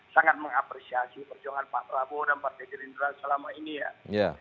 sangat mengapresiasi perjuangan pak prabowo dan partai gerindra selama ini ya